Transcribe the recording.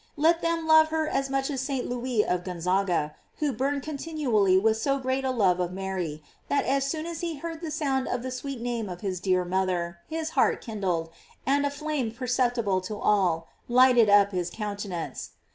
Let them love her as much as St. Louis of Gonzaga, who burned continually with so great love of Mary, that as soon as he heard the sound of the sweet name of his dear mother, his heart kindled, and a flame perceptible to all, lighted up his coun tenance.